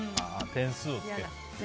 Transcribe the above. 点数って。